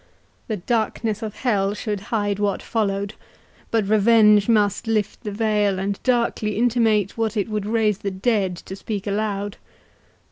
The darkness of hell should hide what followed, but revenge must lift the veil, and darkly intimate what it would raise the dead to speak aloud.